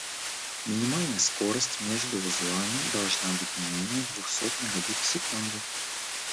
Минимально скорость между узлами должна быть не менее двухсот мегабит в секунду